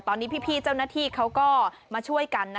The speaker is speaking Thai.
ตอนนี้พี่เจ้าหน้าที่เขาก็มาช่วยกัน